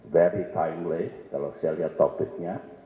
very timelay kalau saya lihat topiknya